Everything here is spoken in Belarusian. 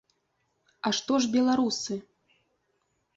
А што ж беларусы?